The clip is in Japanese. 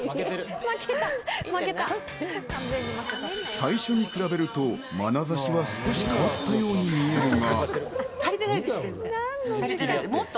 最初に比べると、まなざしは少し変わったようにも見えるが。